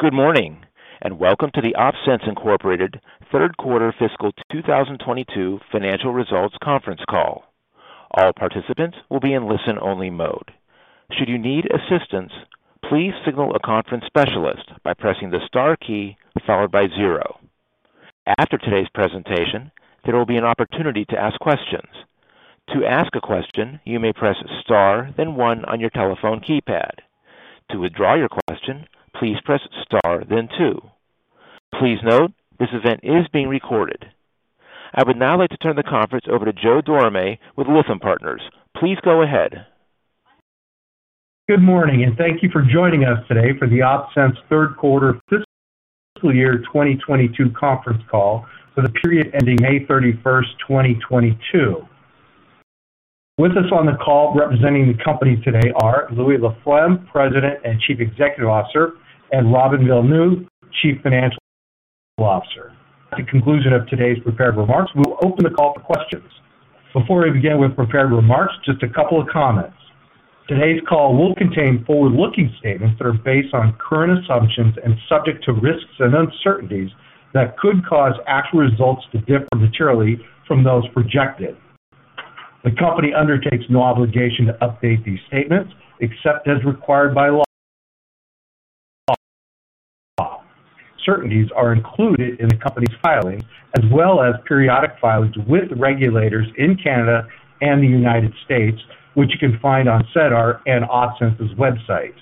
Good morning, and welcome to the Opsens Incorporated third quarter fiscal 2022 financial results conference call. All participants will be in listen-only mode. Should you need assistance, please signal a conference specialist by pressing the star key followed by zero. After today's presentation, there will be an opportunity to ask questions. To ask a question, you may press star then one on your telephone keypad. To withdraw your question, please press star then two. Please note this event is being recorded. I would now like to turn the conference over to Joe Dorame with Lytham Partners. Please go ahead. Good morning and thank you for joining us today for the Opsens third quarter fiscal year 2022 conference call for the period ending May 31, 2022. With us on the call representing the company today are Louis Laflamme, President and Chief Executive Officer, and Robin Villeneuve, Chief Financial Officer. At the conclusion of today's prepared remarks, we'll open the call for questions. Before we begin with prepared remarks, just a couple of comments. Today's call will contain forward-looking statements that are based on current assumptions and subject to risks and uncertainties that could cause actual results to differ materially from those projected. The company undertakes no obligation to update these statements except as required by law. Uncertainties are included in the company's filings as well as periodic filings with regulators in Canada and the United States, which you can find on SEDAR and Opsens' website.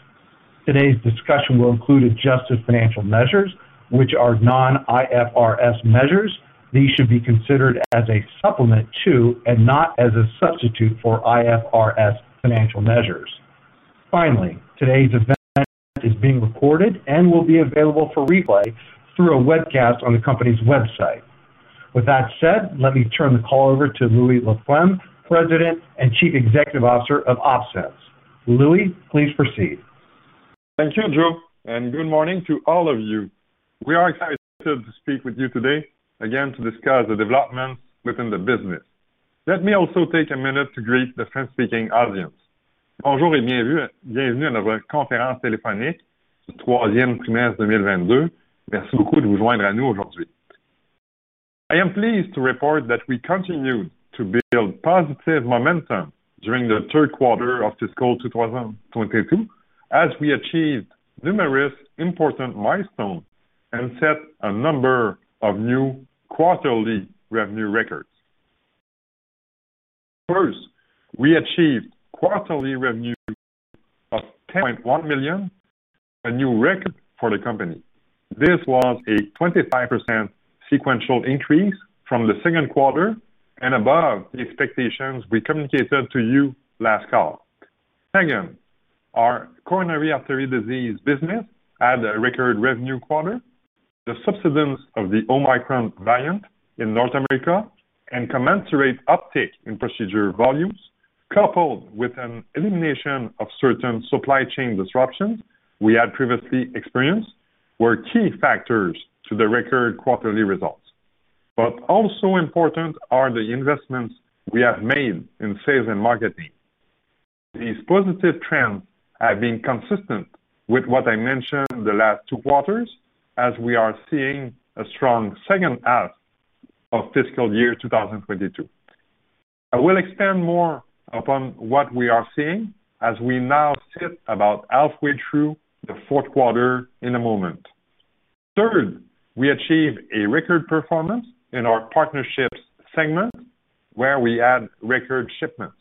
Today's discussion will include adjusted financial measures, which are non-IFRS measures. These should be considered as a supplement to and not as a substitute for IFRS financial measures. Finally, today's event is being recorded and will be available for replay through a webcast on the company's website. With that said, let me turn the call over to Louis Laflamme, President and Chief Executive Officer of Opsens. Louis, please proceed. Thank you Joe, and good morning to all of you. We are excited to speak with you today again to discuss the developments within the business. Let me also take a minute to greet the French-speaking audience. I am pleased to report that we continued to build positive momentum during the third quarter of fiscal 2022 as we achieved numerous important milestones and set a number of new quarterly revenue records. First, we achieved quarterly revenue of 10.1 million, a new record for the company. This was a 25% sequential increase from the second quarter and above the expectations we communicated to you last call. Second, our coronary artery disease business had a record revenue quarter. The subsidence of the Omicron variant in North America and commensurate uptake in procedure volumes, coupled with an elimination of certain supply chain disruptions we had previously experienced, were key factors to the record quarterly results. Also important are the investments we have made in sales and marketing. These positive trends have been consistent with what I mentioned the last two quarters as we are seeing a strong second half of fiscal year 2022. I will expand more upon what we are seeing as we now sit about halfway through the fourth quarter in a moment. Third, we achieved a record performance in our partnerships segment, where we had record shipments.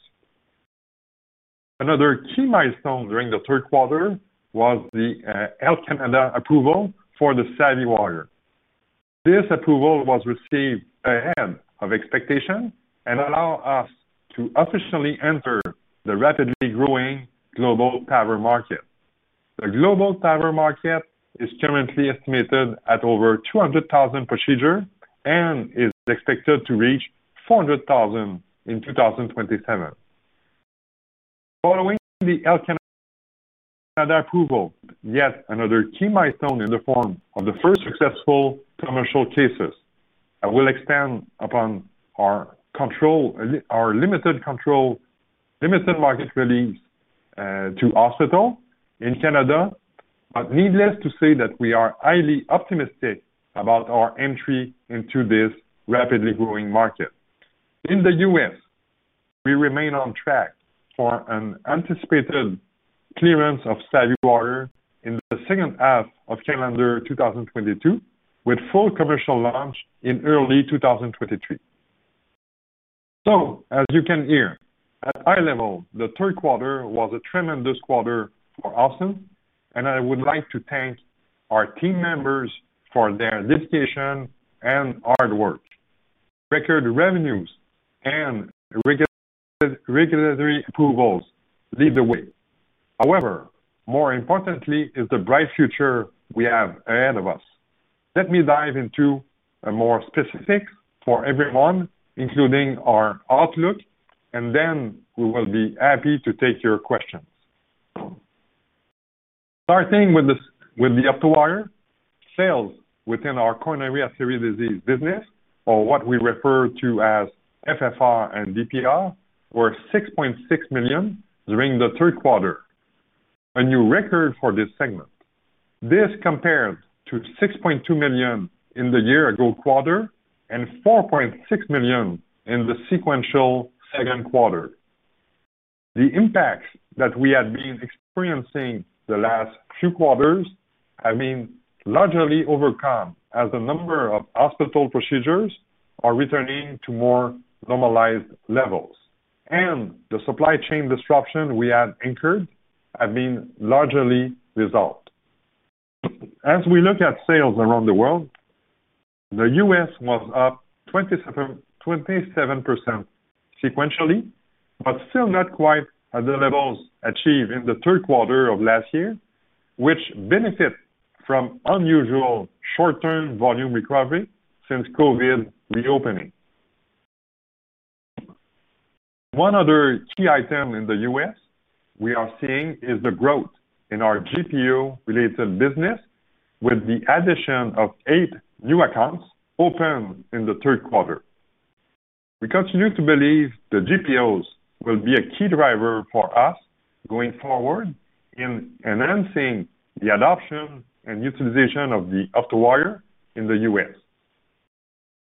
Another key milestone during the third quarter was the Health Canada approval for the SavvyWire. This approval was received ahead of expectation and allow us to officially enter the rapidly growing global TAVR market. The global TAVR market is currently estimated at over 200,000 procedures and is expected to reach 400,000 in 2027. Following the Health Canada approval, yet another key milestone in the form of the first successful commercial cases. I will expand upon our limited market release to hospital in Canada, but needless to say that we are highly optimistic about our entry into this rapidly growing market. In the U.S., we remain on track for an anticipated clearance of SavvyWire in the second half of calendar 2022, with full commercial launch in early 2023. As you can hear, at high level, the third quarter was a tremendous quarter for Opsens, and I would like to thank our team members for their dedication and hard work. Record revenues and regulatory approvals lead the way. However, more importantly is the bright future we have ahead of us. Let me dive into a more specific for everyone, including our outlook, and then we will be happy to take your questions. Starting with the OptoWire sales within our coronary artery disease business, or what we refer to as FFR and dPR, were 6.6 million during the third quarter, a new record for this segment. This compares to 6.2 million in the year-ago quarter and 4.6 million in the sequential second quarter. The impacts that we had been experiencing the last few quarters have been largely overcome as the number of hospital procedures are returning to more normalized levels, and the supply chain disruption we have incurred have been largely resolved. As we look at sales around the world, the U.S. was up 27% sequentially, but still not quite at the levels achieved in the third quarter of last year, which benefit from unusual short-term volume recovery since COVID reopening. One other key item in the US we are seeing is the growth in our GPO-related business with the addition of eight new accounts opened in the third quarter. We continue to believe the GPOs will be a key driver for us going forward in enhancing the adoption and utilization of the OptoWire in the U.S.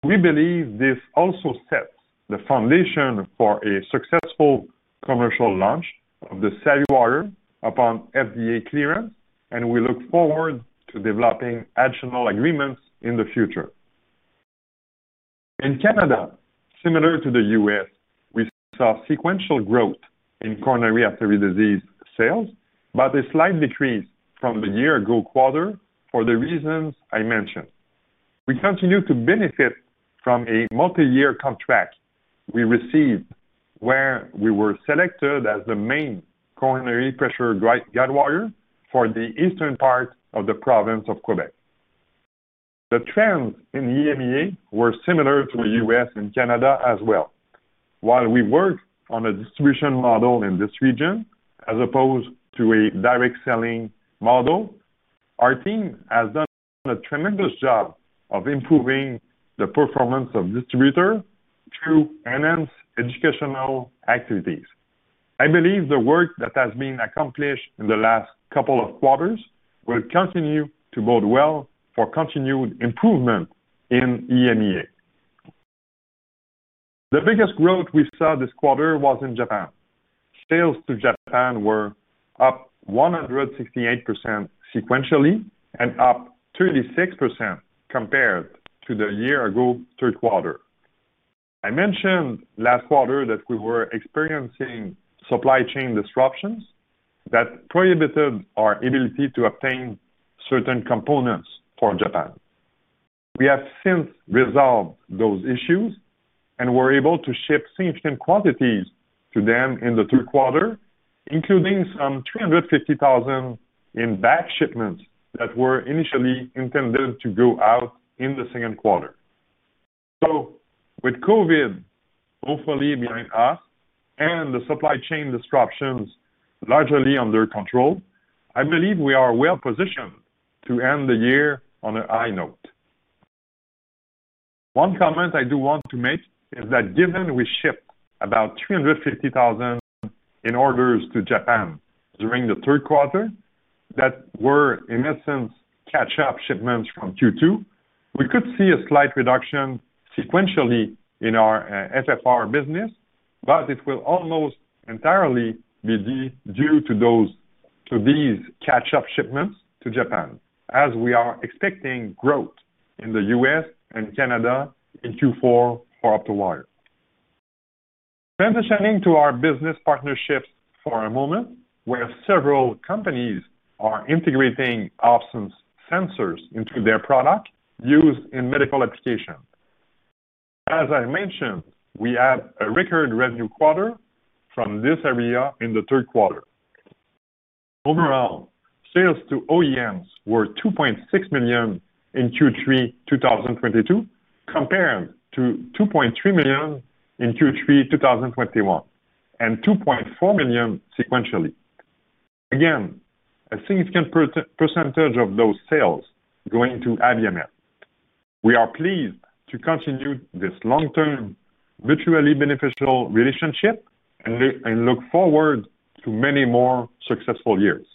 We believe this also sets the foundation for a successful commercial launch of the SavvyWire upon FDA clearance, and we look forward to developing additional agreements in the future. In Canada, similar to the U.S., we saw sequential growth in coronary artery disease sales, but a slight decrease from the year-ago quarter for the reasons I mentioned. We continue to benefit from a multi-year contract we received where we were selected as the main coronary pressure guide wire for the eastern part of the province of Quebec. The trends in EMEA were similar to the U.S. and Canada as well. While we work on a distribution model in this region, as opposed to a direct selling model, our team has done a tremendous job of improving the performance of distributor through enhanced educational activities. I believe the work that has been accomplished in the last couple of quarters will continue to bode well for continued improvement in EMEA. The biggest growth we saw this quarter was in Japan. Sales to Japan were up 168% sequentially and up 36% compared to the year-ago third quarter. I mentioned last quarter that we were experiencing supply chain disruptions that prohibited our ability to obtain certain components for Japan. We have since resolved those issues and were able to ship significant quantities to them in the third quarter, including some 350,000 in back shipments that were initially intended to go out in the second quarter. With COVID hopefully behind us and the supply chain disruptions largely under control, I believe we are well-positioned to end the year on a high note. One comment I do want to make is that given we shipped about 350,000 in orders to Japan during the third quarter, that were, in essence, catch-up shipments from Q2, we could see a slight reduction sequentially in our FFR business, but it will almost entirely be due to these catch-up shipments to Japan, as we are expecting growth in the US and Canada in Q4 for OptoWire. Transitioning to our business partnerships for a moment, where several companies are integrating Opsens sensors into their product used in medical applications. As I mentioned, we had a record revenue quarter from this area in the third quarter. Overall, sales to OEMs were 2.6 million in Q3 2022, compared to 2.3 million in Q3 2021, and 2.4 million sequentially. Again, a significant percentage of those sales going to Abiomed. We are pleased to continue this long-term, mutually beneficial relationship and look forward to many more successful years.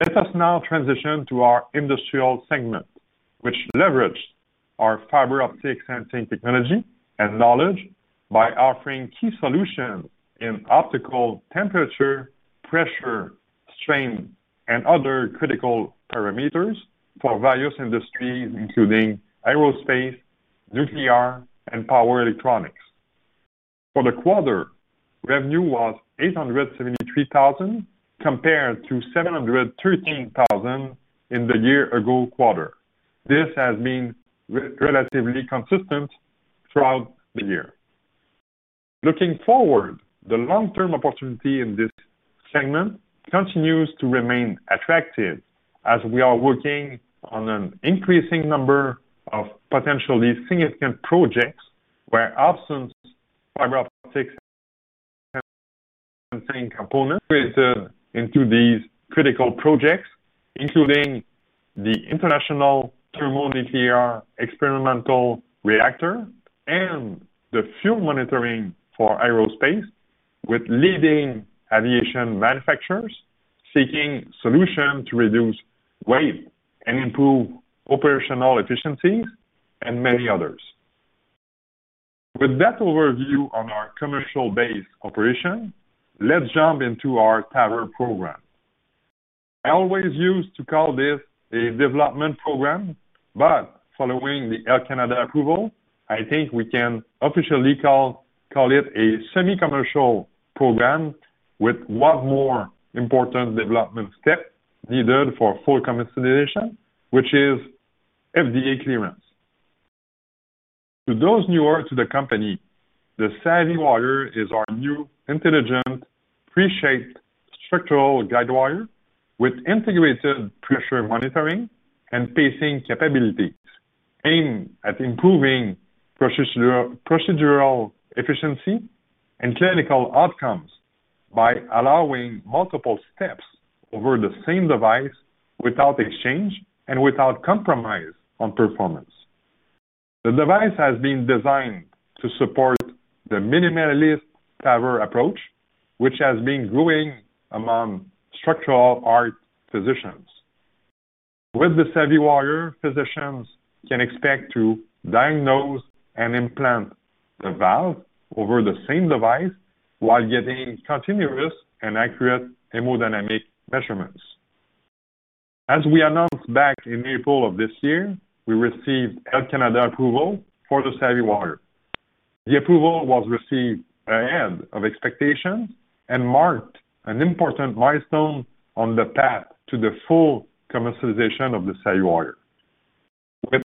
Let us now transition to our industrial segment, which leveraged our fiber optic sensing technology and knowledge by offering key solutions in optical temperature, pressure, strain, and other critical parameters for various industries, including aerospace, nuclear, and power electronics. For the quarter, revenue was 873,000, compared to 713,000 in the year-ago quarter. This has been relatively consistent throughout the year. Looking forward, the long-term opportunity in this segment continues to remain attractive as we are working on an increasing number of potentially significant projects where Opsens fiber optic sensing components are integrated into these critical projects, including the International Thermonuclear Experimental Reactor and the fuel monitoring for aerospace, with leading aviation manufacturers seeking solutions to reduce weight and improve operational efficiencies and many others. With that overview on our commercial-based operation, let's jump into our TAVR program. I always used to call this a development program. Following the Health Canada approval, I think we can officially call it a semi-commercial program with one more important development step needed for full commercialization, which is FDA clearance. To those newer to the company, the SavvyWire is our new intelligent pre-shaped structural guide wire with integrated pressure monitoring and pacing capabilities aimed at improving procedural efficiency and clinical outcomes by allowing multiple steps over the same device without exchange and without compromise on performance. The device has been designed to support the minimalist TAVR approach, which has been growing among structural heart physicians. With the SavvyWire, physicians can expect to diagnose and implant the valve over the same device while getting continuous and accurate hemodynamic measurements. As we announced back in April of this year, we received Health Canada approval for the SavvyWire. The approval was received ahead of expectations and marked an important milestone on the path to the full commercialization of the SavvyWire. With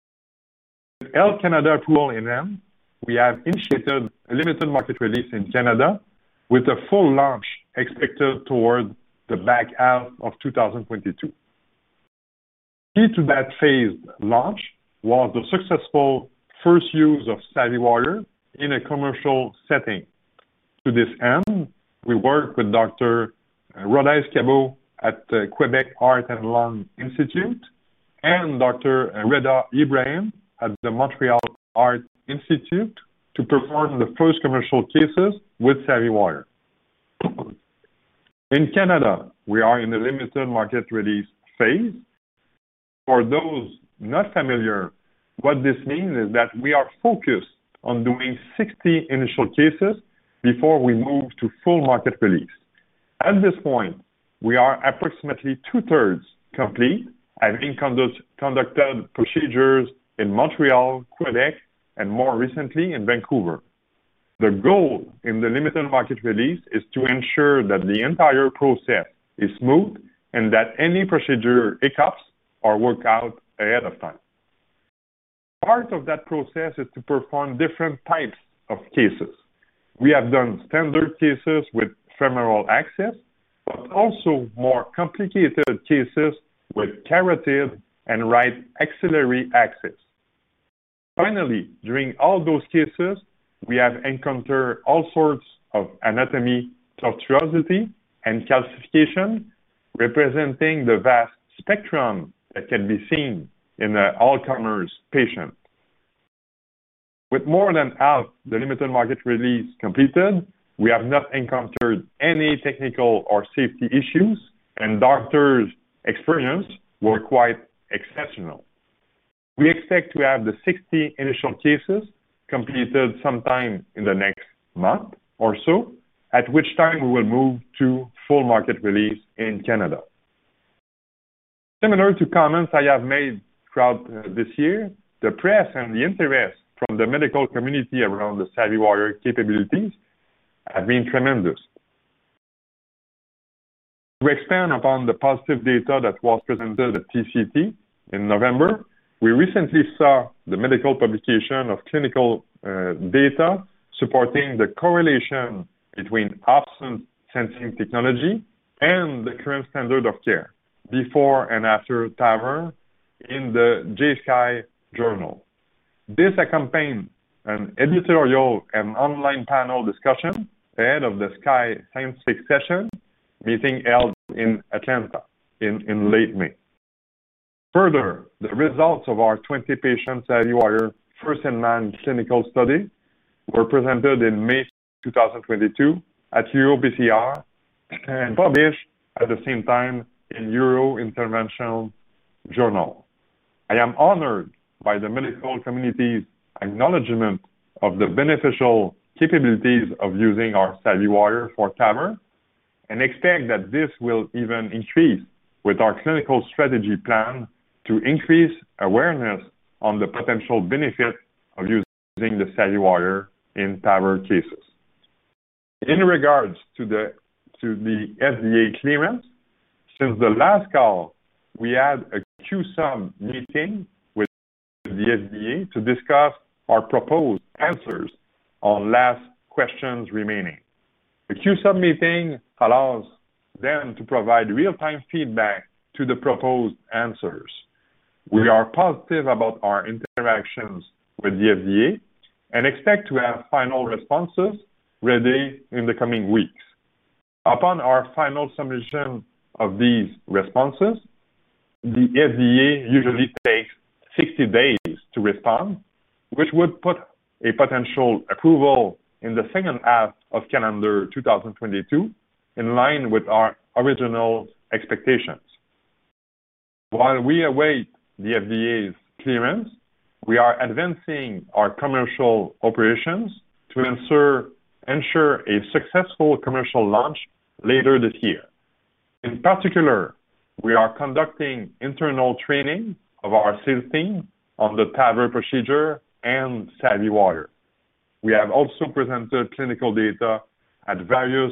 Health Canada approval in hand, we have initiated a limited market release in Canada with a full launch expected toward the back half of 2022. Key to that phased launch was the successful first use of SavvyWire in a commercial setting. To this end, we worked with Dr. Rodés-Cabau at the Quebec Heart and Lung Institute and Dr. Réda Ibrahim at the Montreal Heart Institute to perform the first commercial cases with SavvyWire. In Canada, we are in a limited market release phase. For those not familiar, what this means is that we are focused on doing 60 initial cases before we move to full market release. At this point, we are approximately two-thirds complete, having conducted procedures in Montreal, Quebec, and more recently in Vancouver. The goal in the limited market release is to ensure that the entire process is smooth and that any procedure hiccups are worked out ahead of time. Part of that process is to perform different types of cases. We have done standard cases with femoral access, but also more complicated cases with carotid and right axillary access. Finally, during all those cases, we have encountered all sorts of anatomical tortuosity and calcification, representing the vast spectrum that can be seen in the all-comers patient. With more than half the limited market release completed, we have not encountered any technical or safety issues, and doctors' experience were quite exceptional. We expect to have the 60 initial cases completed sometime in the next month or so, at which time we will move to full market release in Canada. Similar to comments I have made throughout this year, the press and the interest from the medical community around the SavvyWire capabilities have been tremendous. To expand upon the positive data that was presented at TCT in November, we recently saw the medical publication of clinical data supporting the correlation between Opsens sensing technology and the current standard of care before and after TAVR in the JCI journal. This accompanied an editorial and online panel discussion ahead of the SCAI scientific session meeting held in Atlanta in late May. Further, the results of our 20-patient SavvyWire first-in-man clinical study were presented in May 2022 at EuroPCR and published at the same time in EuroIntervention journal. I am honored by the medical community's acknowledgment of the beneficial capabilities of using our SavvyWire for TAVR and expect that this will even increase with our clinical strategy plan to increase awareness on the potential benefit of using the SavvyWire in TAVR cases. In regards to the to the FDA clearance, since the last call, we had a Q-Sub meeting with the FDA to discuss our proposed answers on last questions remaining. The Q-Sub meeting allows them to provide real-time feedback to the proposed answers. We are positive about our interactions with the FDA and expect to have final responses ready in the coming weeks. Upon our final submission of these responses, the FDA usually takes 60 days to respond, which would put a potential approval in the second half of calendar 2022, in line with our original expectations. While we await the FDA's clearance, we are advancing our commercial operations to ensure a successful commercial launch later this year. In particular, we are conducting internal training of our sales team on the TAVR procedure and SavvyWire. We have also presented clinical data at various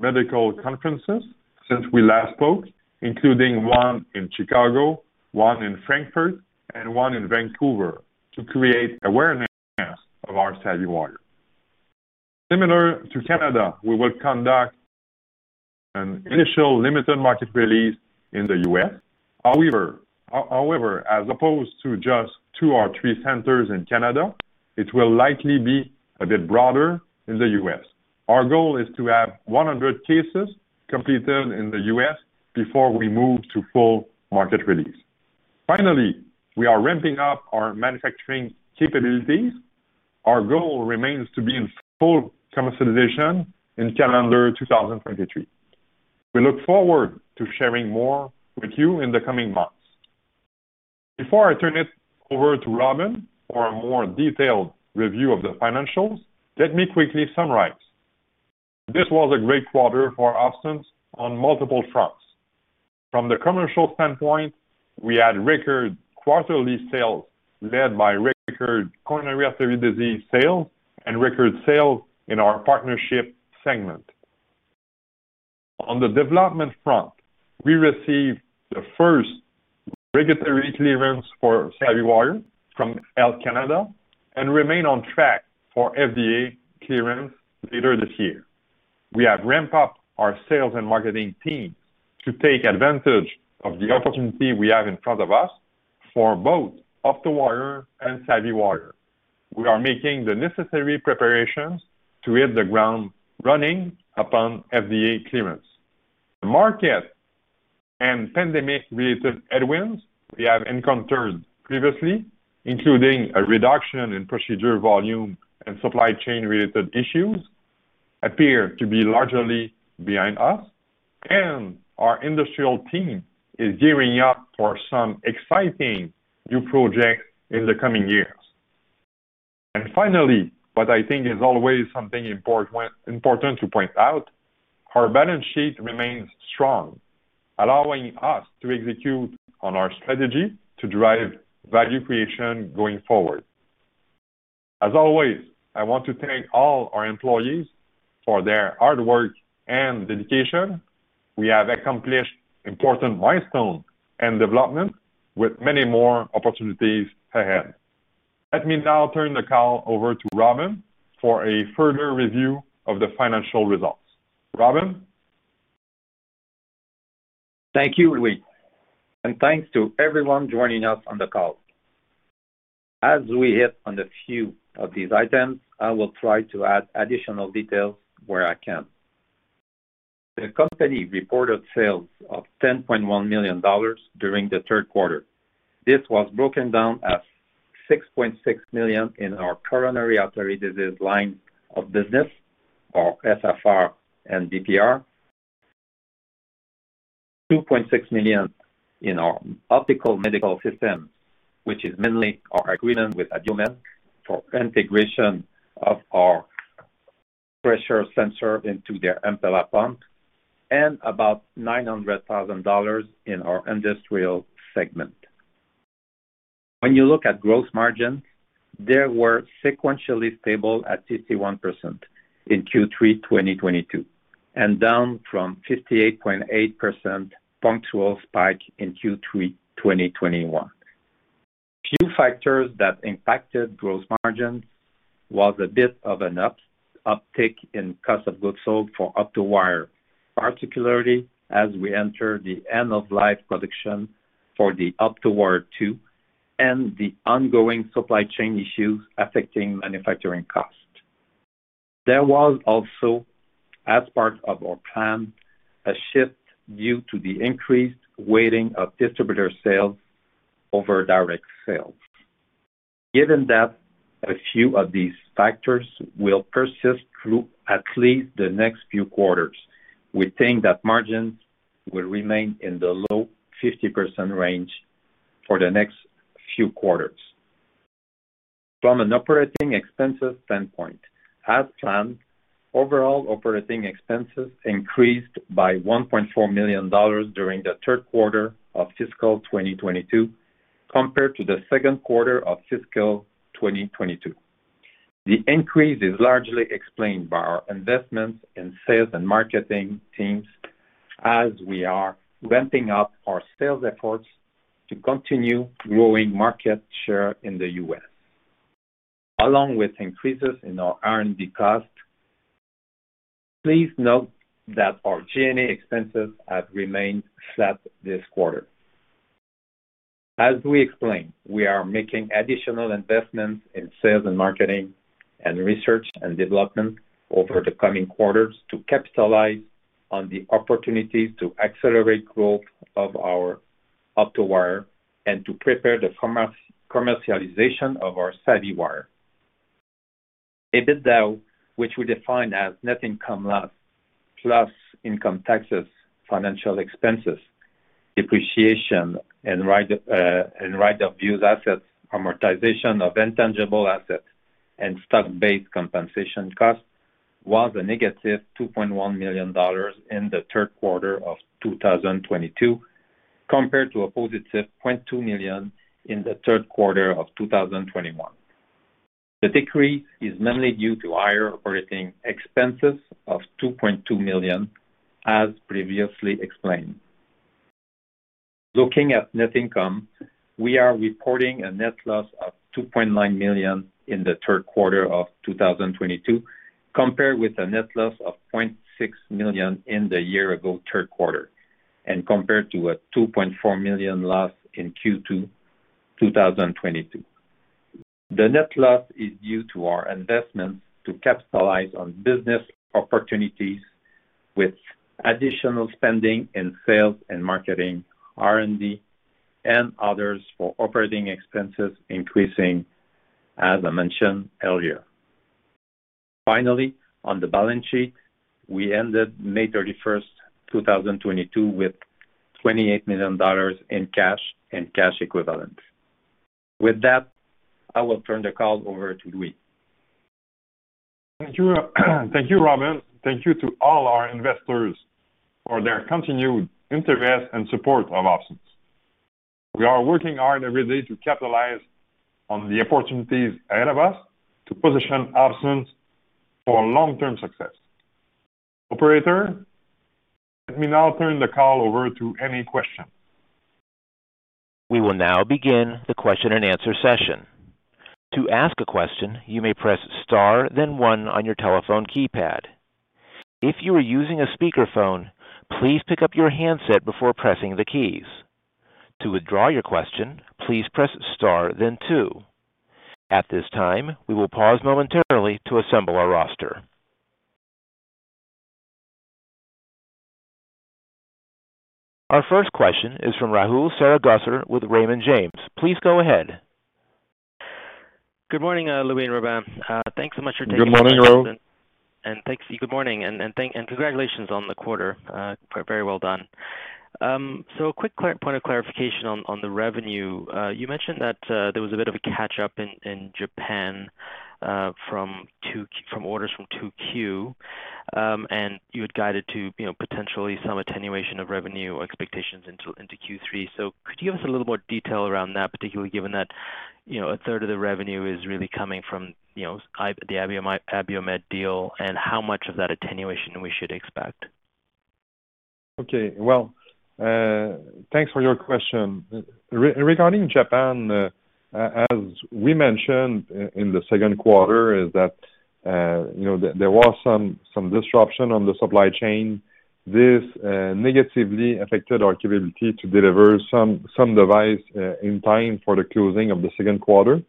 medical conferences since we last spoke, including one in Chicago, one in Frankfurt, and one in Vancouver to create awareness of our SavvyWire. Similar to Canada, we will conduct an initial limited market release in the U.S. However, as opposed to just two or three centers in Canada, it will likely be a bit broader in the US. Our goal is to have 100 cases completed in the US before we move to full market release. Finally, we are ramping up our manufacturing capabilities. Our goal remains to be in full commercialization in calendar 2023. We look forward to sharing more with you in the coming months. Before I turn it over to Robin for a more detailed review of the financials, let me quickly summarize. This was a great quarter for Opsens on multiple fronts. From the commercial standpoint, we had record quarterly sales led by record coronary artery disease sales and record sales in our partnership segment. On the development front, we received the first regulatory clearance for SavvyWire from Health Canada and remain on track for FDA clearance later this year. We have ramped up our sales and marketing team to take advantage of the opportunity we have in front of us for both OptoWire and SavvyWire. We are making the necessary preparations to hit the ground running upon FDA clearance. The market and pandemic-related headwinds we have encountered previously, including a reduction in procedure volume and supply chain-related issues, appear to be largely behind us, and our industrial team is gearing up for some exciting new projects in the coming years. Finally, what I think is always something important to point out, our balance sheet remains strong, allowing us to execute on our strategy to drive value creation going forward. As always, I want to thank all our employees for their hard work and dedication. We have accomplished important milestones and development with many more opportunities ahead. Let me now turn the call over to Robin for a further review of the financial results. Robin? Thank you, Louis. Thanks to everyone joining us on the call. As we hit on a few of these items, I will try to add additional details where I can. The company reported sales of 10.1 million dollars during the third quarter. This was broken down as 6.6 million in our coronary artery disease line of business, or FFR and DPR. 2.6 million in our optical medical systems, which is mainly our agreement with Abiomed for integration of our pressure sensor into their Impella pump, and about 900,000 dollars in our industrial segment. When you look at gross margins, they were sequentially stable at 51% in Q3 2022, and down from 58.8% one-time spike in Q3 2021. Few factors that impacted growth margins was a bit of an uptake in cost of goods sold for OptoWire, particularly as we enter the end-of-life production for the OptoWire Deux and the ongoing supply chain issues affecting manufacturing costs. There was also, as part of our plan, a shift due to the increased weighting of distributor sales over direct sales. Given that a few of these factors will persist through at least the next few quarters, we think that margins will remain in the low 50% range for the next few quarters. From an operating expenses standpoint, as planned, overall operating expenses increased by 1.4 million dollars during the third quarter of fiscal 2022 compared to the second quarter of fiscal 2022. The increase is largely explained by our investments in sales and marketing teams as we are ramping up our sales efforts to continue growing market share in the U.S., along with increases in our R&D costs. Please note that our G&A expenses have remained flat this quarter. As we explained, we are making additional investments in sales and marketing and research and development over the coming quarters to capitalize on the opportunities to accelerate growth of our OptoWire and to prepare the commercialization of our SavvyWire. EBITDA, which we define as net income loss plus income taxes, financial expenses, depreciation and right of use assets, amortization of intangible assets and stock-based compensation costs, was a negative 2.1 million dollars in the third quarter of 2022, compared to a positive 0.2 million in the third quarter of 2021. The decrease is mainly due to higher operating expenses of 2.2 million as previously explained. Looking at net income, we are reporting a net loss of 2.9 million in the third quarter of 2022, compared with a net loss of 0.6 million in the year-ago third quarter and compared to a 2.4 million loss in Q2 2022. The net loss is due to our investments to capitalize on business opportunities with additional spending in sales and marketing, R&D and others for operating expenses increasing as I mentioned earlier. Finally, on the balance sheet, we ended May 31, 2022, with 28 million dollars in cash and cash equivalents. With that, I will turn the call over to Louis. Thank you. Thank you, Robin. Thank you to all our investors for their continued interest and support of Opsens. We are working hard every day to capitalize on the opportunities ahead of us to position Opsens for long-term success. Operator, let me now turn the call over to any question. We will now begin the question-and-answer session. To ask a question, you may press star then one on your telephone keypad. If you are using a speakerphone, please pick up your handset before pressing the keys. To withdraw your question, please press star then two. At this time, we will pause momentarily to assemble our roster. Our first question is from Rahul Sarugaser with Raymond James. Please go ahead. Good morning, Louis and Robin. Thanks so much for taking my question. Good morning, Rahul. Thanks. Good morning. Thank and congratulations on the quarter. Very well done. Point of clarification on the revenue. You mentioned that there was a bit of a catch up in Japan from orders from 2Q. You had guided to, you know, potentially some attenuation of revenue expectations into Q3. Could you give us a little more detail around that, particularly given that, you know, a third of the revenue is really coming from the Abiomed deal and how much of that attenuation we should expect? Okay. Well thanks for your question. Regarding Japan, as we mentioned in the second quarter, that you know, there was some disruption on the supply chain. This negatively affected our ability to deliver some device in time for the closing of the second quarter.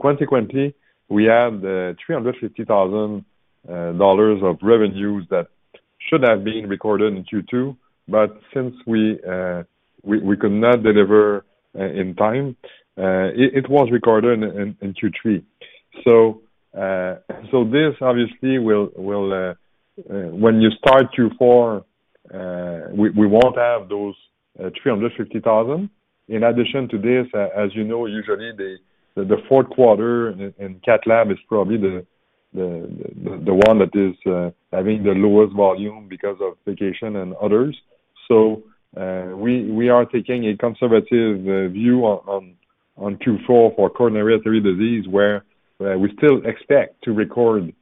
Consequently, we had 350,000 dollars of revenues that should have been recorded in Q2, but since we could not deliver in time, it was recorded in Q3. This obviously will, when you start Q4, we won't have those 350,000. In addition to this, as you know, usually the fourth quarter in cath lab is probably the one that is having the lowest volume because of vacation and others. We are taking a conservative view on Q4 for coronary artery disease where we still expect to record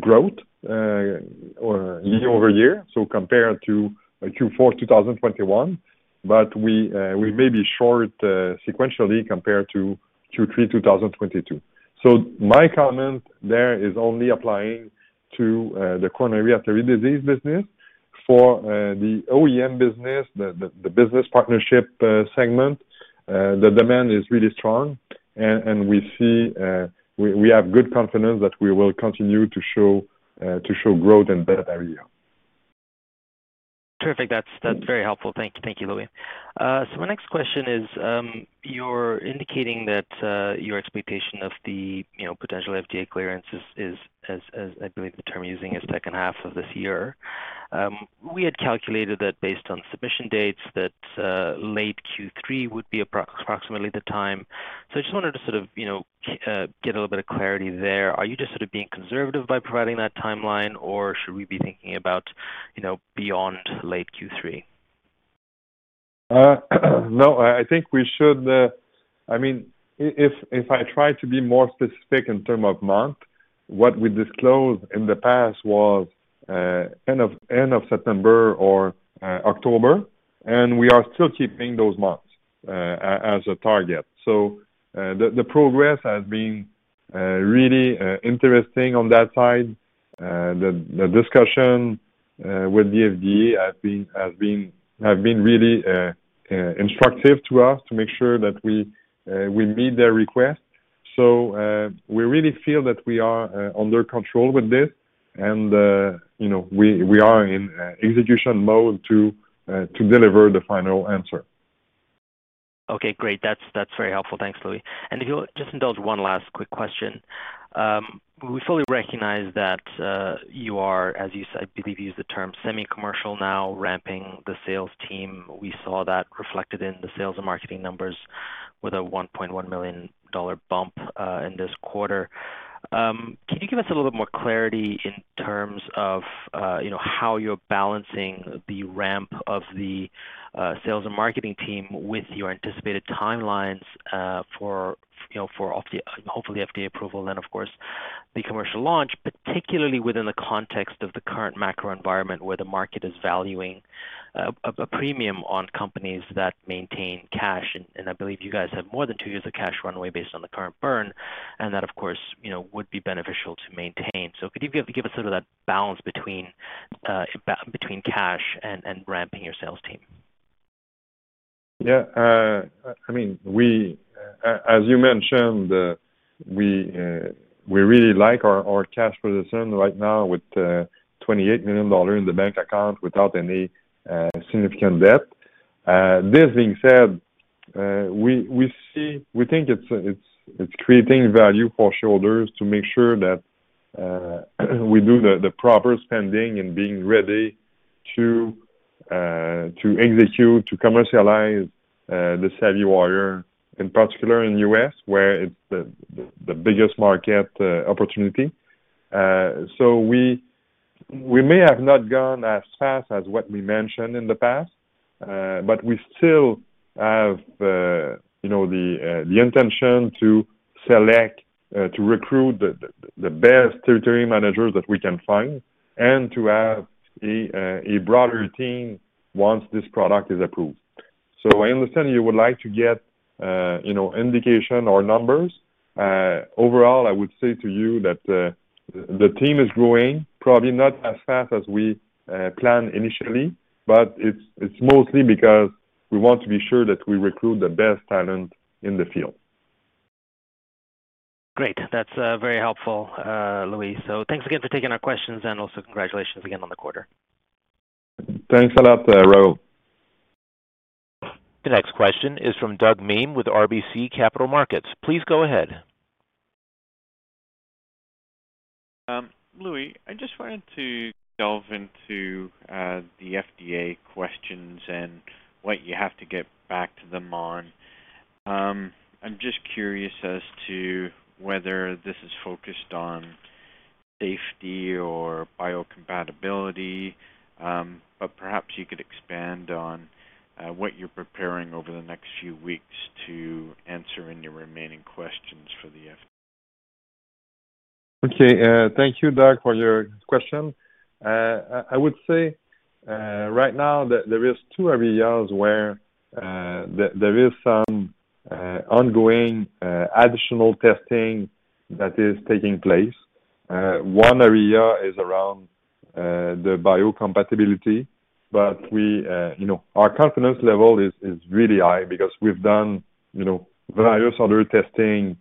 growth year-over-year, so compared to Q4 2021. We may be short sequentially compared to Q3 2022. My comment there is only applying to the coronary artery disease business. For the OEM business, the business partnership segment, the demand is really strong and we see we have good confidence that we will continue to show growth in that area. Terrific. That's very helpful. Thank you Louis. My next question is, you're indicating that your expectation of the you know potential FDA clearance is as I believe the term you're using is second half of this year. We had calculated that based on submission dates that late Q3 would be approximately the time. I just wanted to sort of you know get a little bit of clarity there. Are you just sort of being conservative by providing that timeline, or should we be thinking about you know beyond late Q3? No, I think we should - I mean, if I try to be more specific in terms of month, what we disclosed in the past was end of September or October. We are still keeping those marks as a target. The progress has been really interesting on that side. The discussion with the FDA has been really instructive to us to make sure that we meet their request. We really feel that we are under control with this and, you know, we are in execution mode to deliver the final answer. Okay, great. That's very helpful. Thanks Louis. If you'll just indulge one last quick question. We fully recognize that, as you said, I believe you used the term semi commercial now ramping the sales team. We saw that reflected in the sales and marketing numbers with a 1.1 million dollar bump in this quarter. Can you give us a little bit more clarity in terms of, you know, how you're balancing the ramp of the sales and marketing team with your anticipated timelines for hopefully FDA approval and of course the commercial launch, particularly within the context of the current macro environment where the market is valuing a premium on companies that maintain cash. I believe you guys have more than two years of cash runway based on the current burn, and that of course, you know, would be beneficial to maintain. Could you give us sort of that balance between cash and ramping your sales team? Yeah. I mean as you mentioned, we really like our cash position right now with 28 million dollars in the bank account without any significant debt. This being said, we think it's creating value for shareholders to make sure that we do the proper spending and being ready to execute, to commercialize the SavvyWire, in particular in the U.S. where it's the biggest market opportunity. We may have not gone as fast as what we mentioned in the past, but we still have, you know, the intention to select, to recruit the best territory managers that we can find and to have a broader team once this product is approved. I understand you would like to get, you know, indication or numbers. Overall, I would say to you that the team is growing probably not as fast as we planned initially, but it's mostly because we want to be sure that we recruit the best talent in the field. Great. That's very helpful, Louis. Thanks again for taking our questions, and also congratulations again on the quarter. Thanks a lot, Rahul. The next question is from Douglas Miehm with RBC Capital Markets. Please go ahead. Louis, I just wanted to delve into the FDA questions and what you have to get back to them on. I'm just curious as to whether this is focused on safety or biocompatibility, but perhaps you could expand on what you're preparing over the next few weeks to answer any remaining questions for the FDA. Okay. Thank you Doug, for your question. I would say, right now there is two areas where there is some ongoing additional testing that is taking place. One area is around the biocompatibility, but we, you know, our confidence level is really high because we've done, you know, various other testing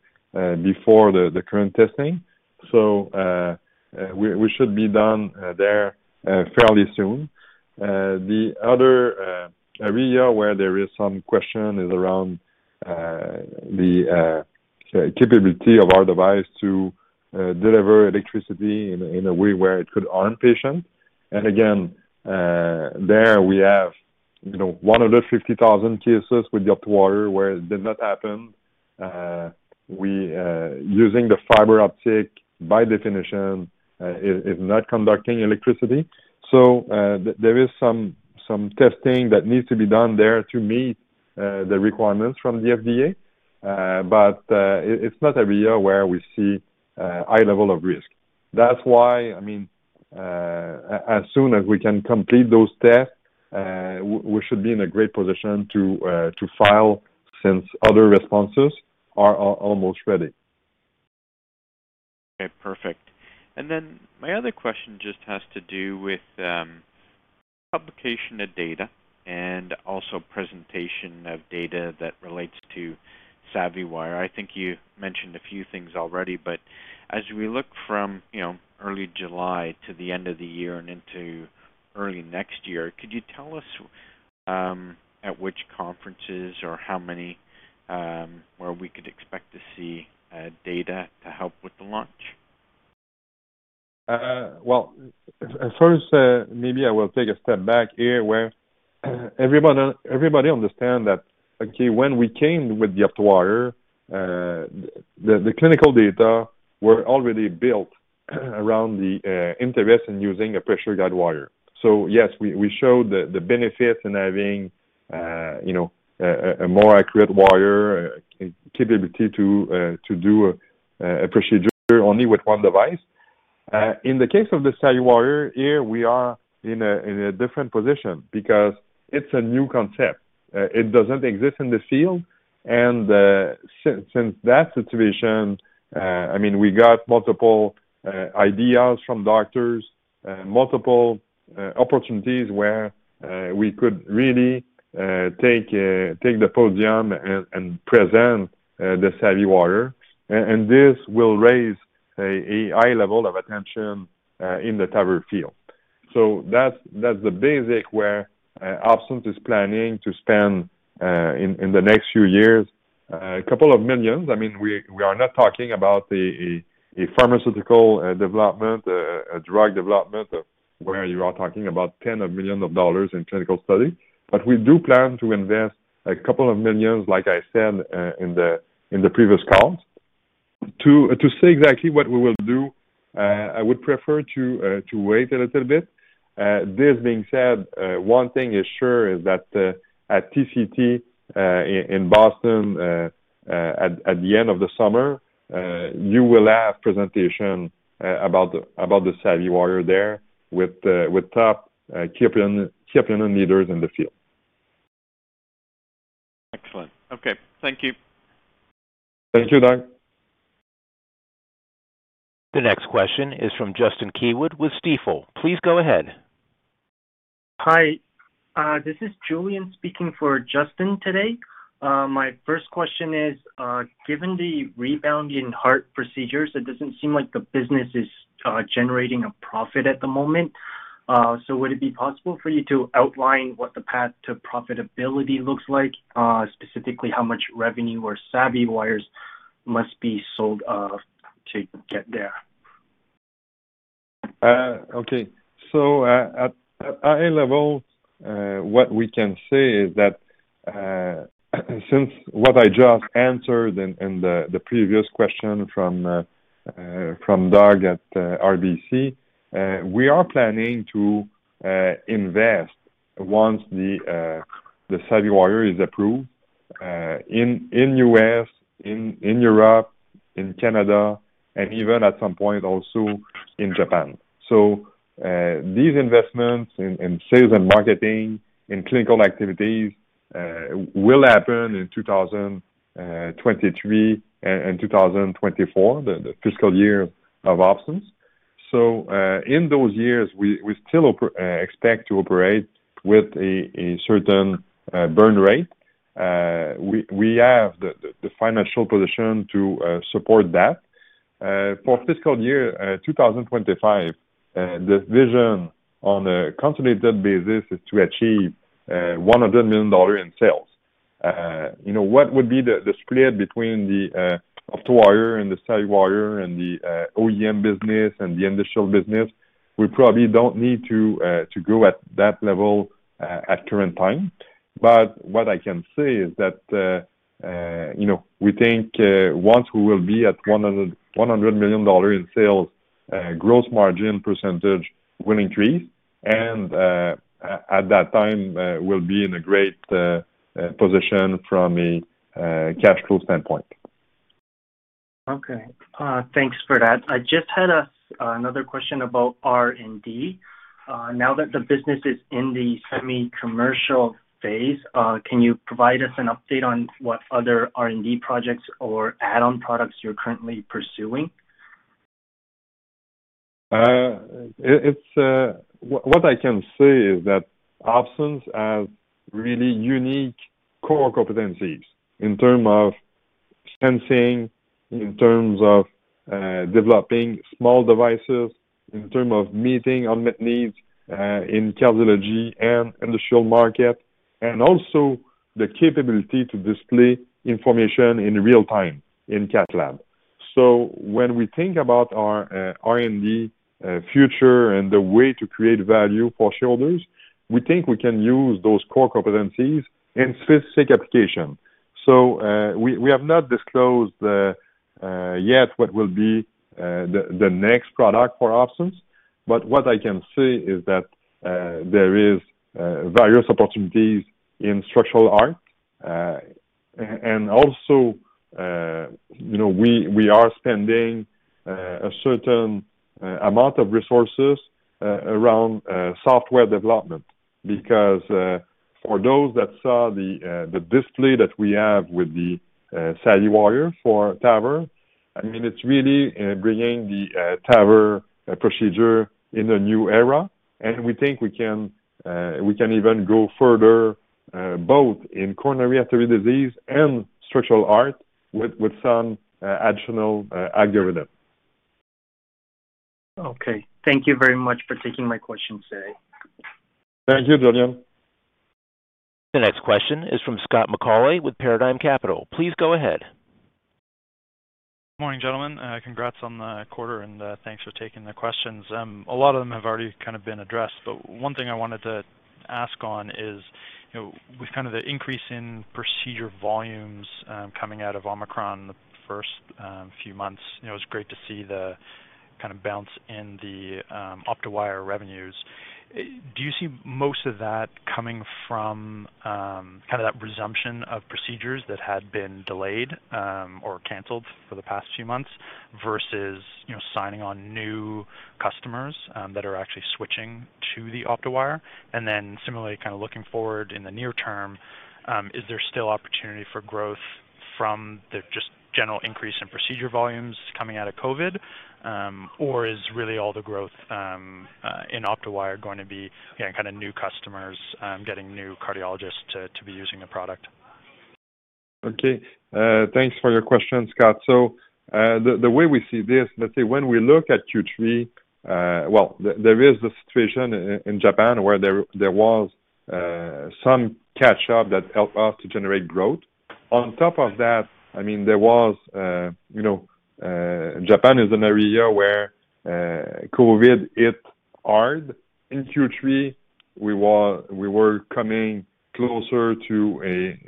before the current testing. We should be done there fairly soon. The other area where there is some question is around the capability of our device to deliver electricity in a way where it could harm patients. Again, there we have, you know, one of the 50,000 cases with the OptoWire where it did not happen. Using the fiber optic by definition is not conducting electricity. There is some testing that needs to be done there to meet the requirements from the FDA. It's not an area where we see a high level of risk. That's why, I mean as soon as we can complete those tests, we should be in a great position to file since other responses are almost ready. Okay, perfect. My other question just has to do with publication of data and also presentation of data that relates to SavvyWire. I think you mentioned a few things already, but as we look from, you know, early July to the end of the year and into early next year, could you tell us at which conferences or how many where we could expect to see data to help with the launch? Well first, maybe I will take a step back here where everyone, everybody understand that, okay, when we came with the OptoWire, the clinical data were already built around the interest in using a pressure guide wire. So yes, we showed the benefits in having, you know, a more accurate wire capability to do a procedure only with one device. In the case of the SavvyWire here we are in a different position because it's a new concept. It doesn't exist in the field. Since that situation, I mean, we got multiple ideas from doctors, multiple opportunities where we could really take the podium and present the SavvyWire. This will raise a high level of attention in the TAVR field. That's the basics where Opsens is planning to spend CAD a couple of millions in the next few years. I mean, we are not talking about a pharmaceutical development, a drug development, where you are talking about tens of millions of dollars in clinical study. We do plan to invest CAD a couple of millions, like I said in the previous calls. To say exactly what we will do, I would prefer to wait a little bit. This being said, one thing is sure that at TCT in Boston at the end of the summer you will have a presentation about the SavvyWire there with top key opinion leaders in the field. Excellent. Okay. Thank you. Thank you, Doug. The next question is from Justin Keywood with Stifel. Please go ahead. Hi, this is Julian speaking for Justin today. My first question is, given the rebound in heart procedures, it doesn't seem like the business is generating a profit at the moment. Would it be possible for you to outline what the path to profitability looks like? Specifically, how much revenue or SavvyWire must be sold to get there? At a high level, what we can say is that since what I just answered in the previous question from Doug at RBC, we are planning to invest once the SavvyWire is approved in US, in Europe, in Canada, and even at some point also in Japan. These investments in sales and marketing, in clinical activities, will happen in 2023 and 2024, the fiscal year of Opsens. In those years, we still expect to operate with a certain burn rate. We have the financial position to support that. For fiscal year 2025, the vision on a consolidated basis is to achieve 100 million dollars in sales. You know, what would be the split between the OptoWire and the SavvyWire and the OEM business and the industrial business, we probably don't need to grow at that level at current time. What I can say is that, you know, we think once we will be at 100 million dollars in sales, gross margin percentage will increase and at that time, we'll be in a great position from a cash flow standpoint. Okay. Thanks for that. I just had another question about R&D. Now that the business is in the semi commercial phase, can you provide us an update on what other R&D projects or add-on products you're currently pursuing? What I can say is that Opsens has really unique core competencies in terms of sensing, in terms of developing small devices, in terms of meeting unmet needs in cardiology and industrial market, and also the capability to display information in real-time in cath lab. When we think about our R&D future and the way to create value for shareholders, we think we can use those core competencies in specific application. We have not disclosed yet what will be the next product for Opsens, but what I can say is that there is various opportunities in structural heart. Also, you know, we are spending a certain amount of resources around software development. Because for those that saw the display that we have with the SavvyWire for TAVR, I mean, it's really bringing the TAVR procedure in a new era. We think we can even go further both in coronary artery disease and structural heart with some additional algorithm. Okay. Thank you very much for taking my question today. Thank you, Julian. The next question is from Scott McAuley with Paradigm Capital. Please go ahead. Morning, gentlemen. Congrats on the quarter, and thanks for taking the questions. A lot of them have already kind of been addressed, but one thing I wanted to ask on is. You know, with kind of the increase in procedure volumes, coming out of Omicron in the first few months, you know, it was great to see the kind of bounce in the OptoWire revenues. Do you see most of that coming from kind of that resumption of procedures that had been delayed or canceled for the past few months versus, you know, signing on new customers that are actually switching to the OptoWire? Similarly, kind of looking forward in the near term, is there still opportunity for growth from just the general increase in procedure volumes coming out of COVID? Or is really all the growth in OptoWire going to be, again, kind of new customers getting new cardiologists to be using the product? Thanks for your question, Scott. The way we see this, let's say when we look at Q3, well there is the situation in Japan where there was some catch up that helped us to generate growth. On top of that, I mean you know, Japan is an area where COVID hit hard. In Q3 we were coming closer to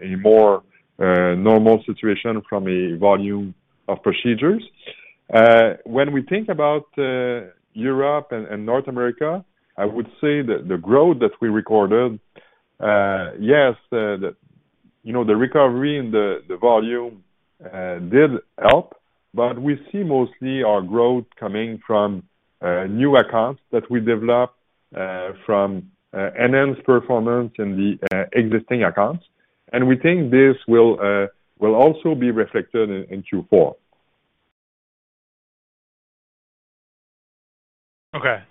a more normal situation from a volume of procedures. When we think about Europe and North America, I would say that the growth that we recorded, yes, you know, the recovery and the volume did help, but we see mostly our growth coming from new accounts that we developed from enhanced performance in the existing accounts. We think this will also be reflected in Q4. Okay.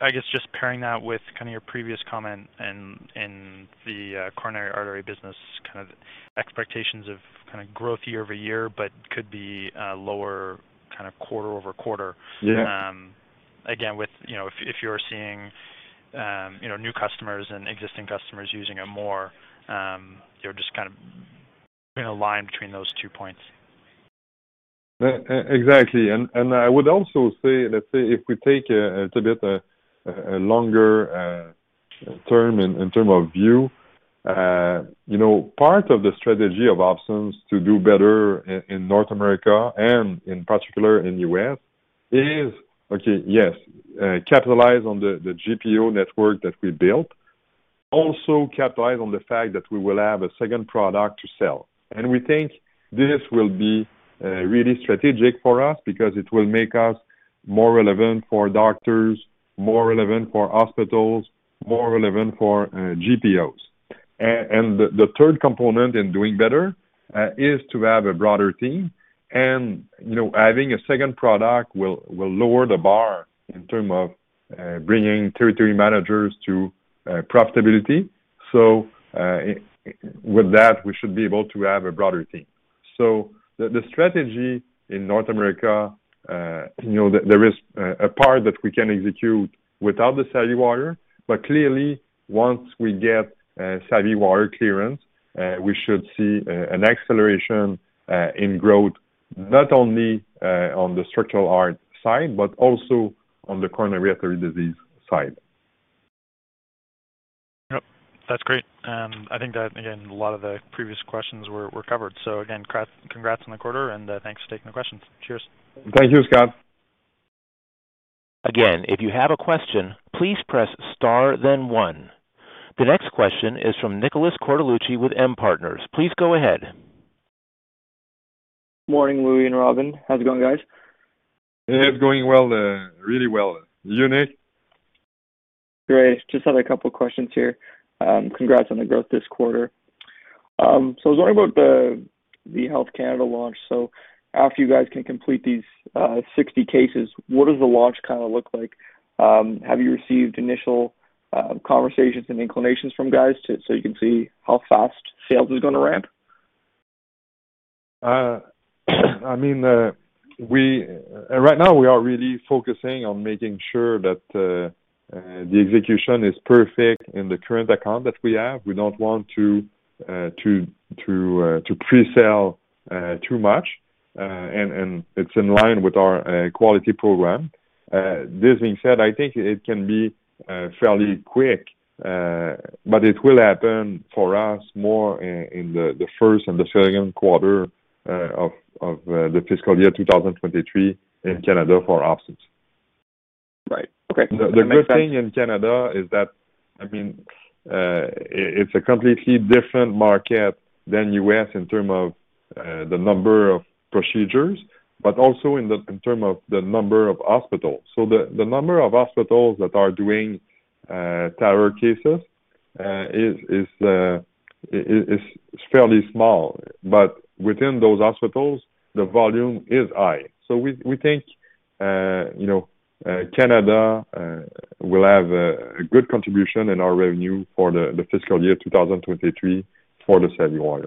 I guess just pairing that with kind of your previous comment in the coronary artery business, kind of expectations of kind of growth year-over-year, but could be lower kind of quarter-over-quarter. Yeah. Again with, you know, if you're seeing, you know, new customers and existing customers using it more, you're just kind of in a line between those two points. Exactly. I would also say, let's say if we take a little bit longer term in terms of view, you know, part of the strategy of Opsens to do better in North America and in particular in U.S. is okay, yes, capitalize on the GPO network that we built. Also capitalize on the fact that we will have a second product to sell. We think this will be really strategic for us because it will make us more relevant for doctors, more relevant for hospitals, more relevant for GPOs. The third component in doing better is to have a broader team. You know, having a second product will lower the bar in terms of bringing territory managers to profitability. With that, we should be able to have a broader team. The strategy in North America, you know, there is a part that we can execute without the SavvyWire but clearly once we get SavvyWire clearance, we should see an acceleration in growth, not only on the structural heart side, but also on the coronary artery disease side. Yep. That's great. I think that again, a lot of the previous questions were covered. Again, congrats on the quarter and thanks for taking the questions. Cheers. Thank you, Scott. Again, if you have a question, please press star then one. The next question is from Nicholas Cortellucci with M Partners. Please go ahead. Morning, Louis and Robin. How's it going, guys? It's going well, really well. You, Nick? Great. Just had a couple of questions here. Congrats on the growth this quarter. I was wondering about the Health Canada launch. After you guys can complete these 60 cases, what does the launch kind of look like? Have you received initial conversations and inclinations from guys so you can see how fast sales is gonna ramp? I mean right now we are really focusing on making sure that the execution is perfect in the current account that we have. We don't want to pre-sell too much, and it's in line with our quality program. This being said, I think it can be fairly quick, but it will happen for us more in the first and the second quarter of the fiscal year 2023 in Canada for Opsens. Right. Okay. The good thing in Canada is that, I mean, it's a completely different market than the U.S. in terms of the number of procedures, but also in terms of the number of hospitals. The number of hospitals that are doing TAVR cases is fairly small. Within those hospitals, the volume is high. We think, you know, Canada will have a good contribution in our revenue for the fiscal year 2023 for the SavvyWire.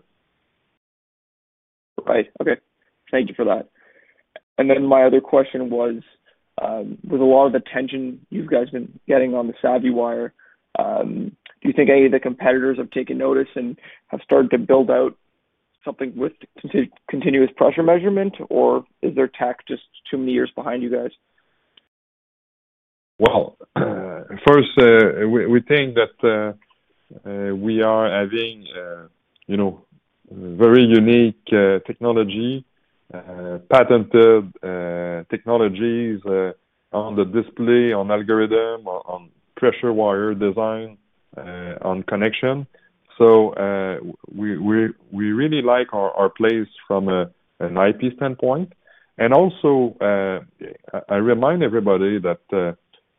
Right. Okay. Thank you for that. My other question was, with a lot of attention you guys been getting on the SavvyWire, do you think any of the competitors have taken notice and have started to build out something with continuous pressure measurement, or is their tech just too many years behind you guys? Well first, we think that we are having, you know, very unique technology. Patented technologies on the display, on algorithm, on pressure wire design, on connection. We really like our place from an IP standpoint. Also, I remind everybody that,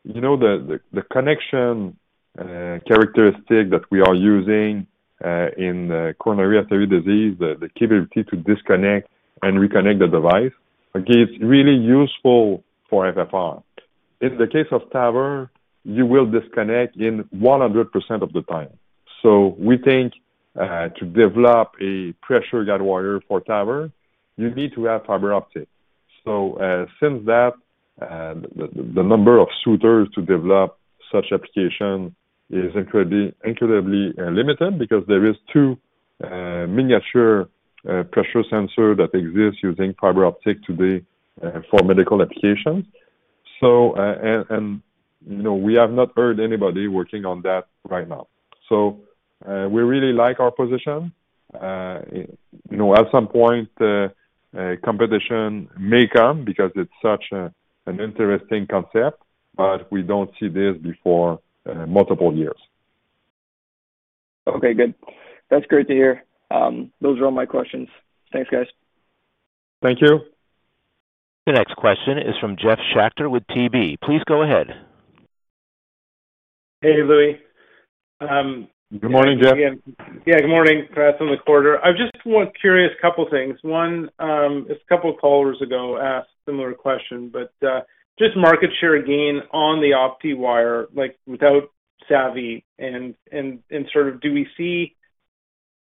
you know, the connection characteristic that we are using in coronary artery disease, the capability to disconnect and reconnect the device, again, it's really useful for FFR. In the case of TAVR, you will disconnect 100% of the time. We think to develop a pressure guide wire for TAVR, you need to have fiber optic. Since that, the number of suitors to develop such application is incredibly limited because there are 2 miniature pressure sensor that exists using fiber optic today for medical applications. You know, we have not heard anybody working on that right now. We really like our position. You know, at some point, competition may come because it's such an interesting concept, but we don't see this before multiple years. Okay, good. That's great to hear. Those are all my questions. Thanks, guys. Thank you. The next question is from Jeff Schachter with TD. Please go ahead. Hey, Louis. Good morning, Jeff. Good morning. First on the quarter, I just was curious, a couple things. One, just a couple of callers ago asked similar question, but just market share gain on the OptoWire, like without SavvyWire and sort of do we see,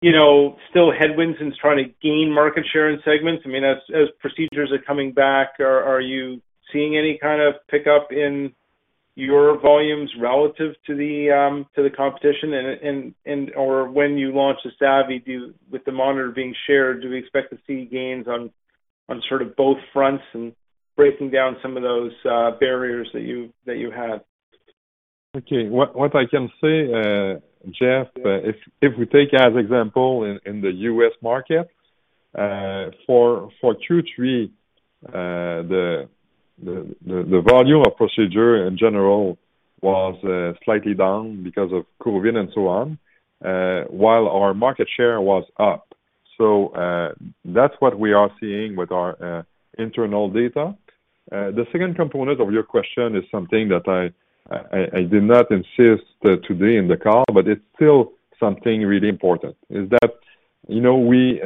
you know, still headwinds in trying to gain market share in segments? I mean, as procedures are coming back, are you seeing any kind of pickup in your volumes relative to the competition? Or when you launch the SavvyWire, do you with the monitor being shared, do we expect to see gains on sort of both fronts and breaking down some of those barriers that you have? What I can say Jeff, if we take as example in the U.S. market, for Q3, the volume of procedures in general was slightly down because of COVID and so on, while our market share was up. That's what we are seeing with our internal data. The second component of your question is something that I did not mention today in the call, but it's still something really important. That is, you know, we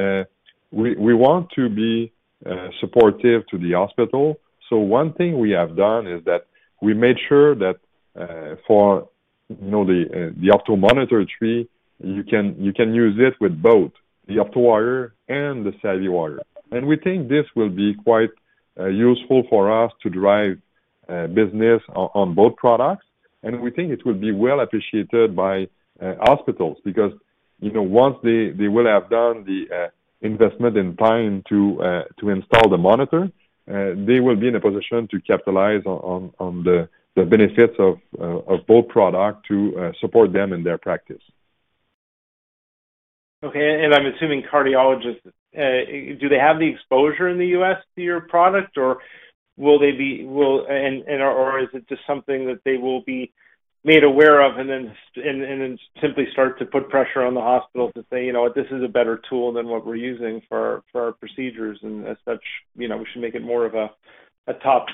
want to be supportive to the hospital. One thing we have done is that we made sure that, for, you know, the OptoMonitor 3, you can use it with both the OptoWire and the SavvyWire. We think this will be quite useful for us to drive business on both products. We think it will be well appreciated by hospitals because, you know, once they will have done the investment and time to install the monitor, they will be in a position to capitalize on the benefits of both product to support them in their practice. Okay. I'm assuming cardiologists do they have the exposure in the U.S. to your product or will they be or is it just something that they will be made aware of and then simply start to put pressure on the hospital to say, "You know what? This is a better tool than what we're using for our procedures. And as such, you know, we should make it more of a top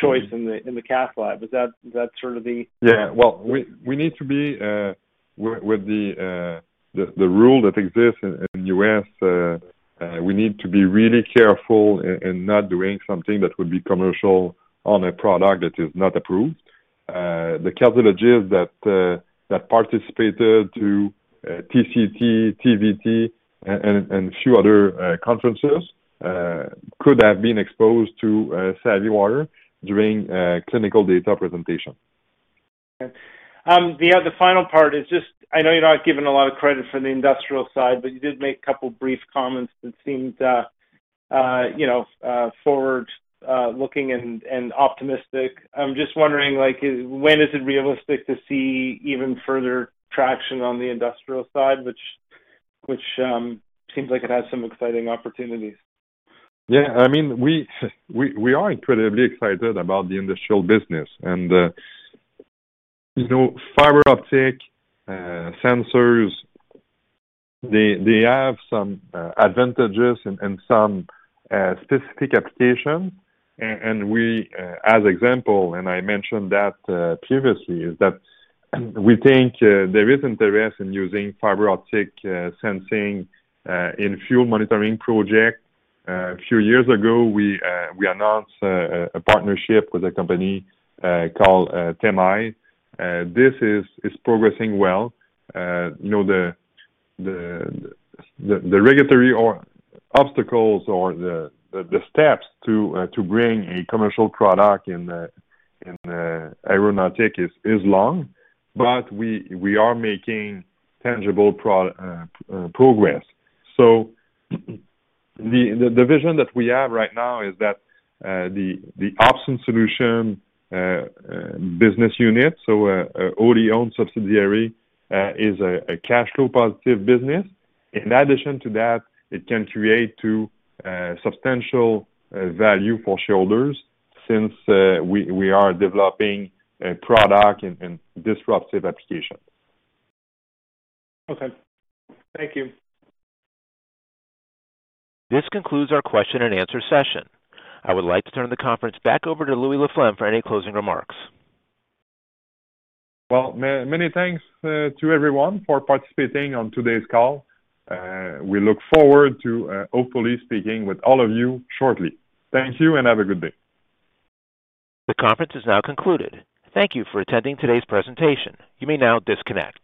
choice in the cath lab." Is that sort of the - Well, we need to be with the rule that exists in the U.S. We need to be really careful in not doing something that would be commercial on a product that is not approved. The catheter labs that participated in TCT, TVT, and few other conferences could have been exposed to SavvyWire during clinical data presentation. Okay. The final part is just, I know you're not given a lot of credit for the industrial side but you did make a couple of brief comments that seemed you know forward looking and optimistic. I'm just wondering, like when is it realistic to see even further traction on the industrial side, which seems like it has some exciting opportunities. Yeah. I mean we are incredibly excited about the industrial business. You know, fiber optic sensors, they have some advantages and some specific application. For example, I mentioned that previously, that is, we think there is interest in using fiber optic sensing in ITER monitoring project. A few years ago, we announced a partnership with a company called TMI. This is progressing well. You know, the regulatory obstacles or the steps to bring a commercial product in aeronautics is long, but we are making tangible progress. The vision that we have right now is that the Opsens Solutions business unit, so a wholly owned subsidiary, is a cash flow positive business. In addition to that, it can contribute to substantial value for shareholders since we are developing a product and disruptive application. Okay, thank you. This concludes our question and answer session. I would like to turn the conference back over to Louis Laflamme for any closing remarks. Well, many thanks to everyone for participating on today's call. We look forward to hopefully speaking with all of you shortly. Thank you, and have a good day. The conference is now concluded. Thank you for attending today's presentation. You may now disconnect.